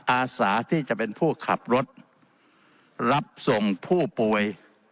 อาสาที่จะเป็นผู้ขับรถรับส่งผู้ป่วย